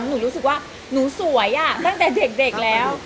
หนูรู้สึกว่าหนูสวยตั้งแต่เด็กแล้ว